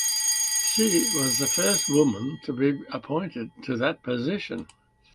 She was the first woman to be appointed to that position.